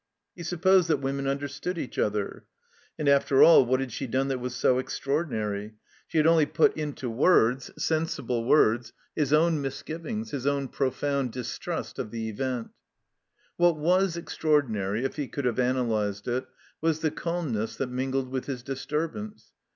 He supposed that women understood each other. And after all what had she done that was so extraordinary? She had only jmt into words — 78 THE COMBINED MAZE sensible words — ^his own misgivings, his own pro found distrust of the event. What was extraordinary, if he could have analyzed it, was the calmness that mingled with his disturb ance.